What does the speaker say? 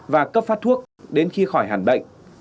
và cấp phát thuốc đến khi khỏi hàn bệnh